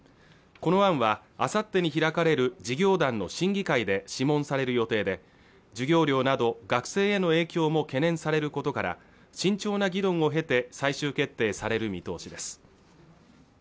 この案はあさってに開かれる事業団の審議会で諮問される予定で授業料など学生への影響も懸念されることから慎重な議論を経て最終決定される見通しです